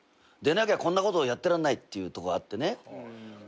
でなきゃこんなことをやってらんないってとこがあってね。